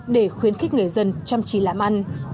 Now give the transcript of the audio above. để khuyến khích người dân chăm chỉ làm ăn